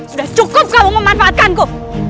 sudah cukup kamu memanfaatkanku